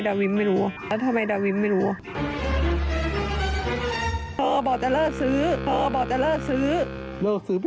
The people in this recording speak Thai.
แล้วทำไมดาวิมไม่รู้อ่ะ